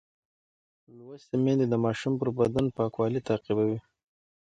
لوستې میندې د ماشوم پر بدن پاکوالی تعقیبوي.